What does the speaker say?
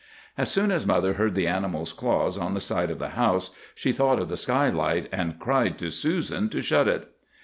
"As soon as mother heard the animal's claws on the side of the house, she thought of the skylight, and cried to Susan to shut it.